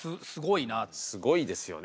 すごいですよね。